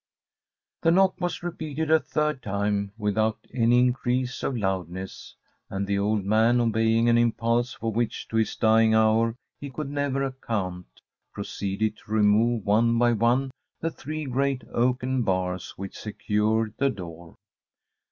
The knock was repeated a third time, without any increase of loudness; and the old man, obeying an impulse for which to his dying hour he could never account, proceeded to remove, one by one, the three great oaken bars which secured the door.